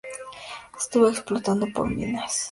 Estuvo explotado por minas.